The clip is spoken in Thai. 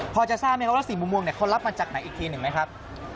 พ่อจะทราบไหมว่าสี่มุมเมืองเขารับมาจากไหนอีกทีหนึ่งไหมครับ